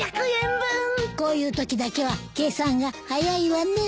こういうときだけは計算が早いわね。